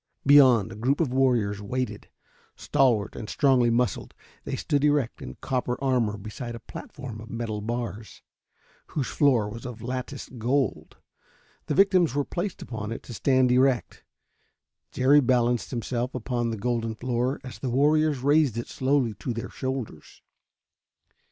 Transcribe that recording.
Beyond, a group of warriors waited. Stalwart and strongly muscled, they stood erect in copper armor beside a platform of metal bars, whose floor was of latticed gold. The victims were placed upon it to stand erect. Jerry balanced himself upon the golden floor as the warriors raised it slowly to their shoulders.